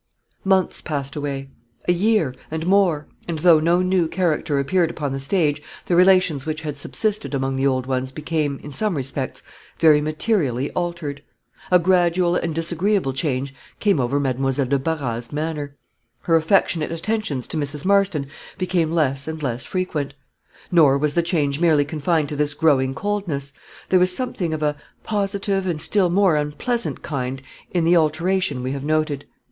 Months passed away a year, and more and though no new character appeared upon the stage, the relations which had subsisted among the old ones became, in some respects, very materially altered. A gradual and disagreeable change came over Mademoiselle de Barras's manner; her affectionate attentions to Mrs. Marston became less and less frequent; nor was the change merely confined to this growing coldness; there was something of a positive and still more unpleasant kind in the alteration we have noted.